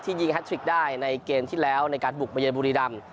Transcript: ที่ยิงฮัทส์ทริกได้ในเกมที่แล้วในการบุกมาเย็นบุรีรัมพ์